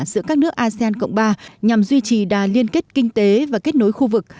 giữa các nước asean cộng ba nhằm duy trì đà liên kết kinh tế và kết nối khu vực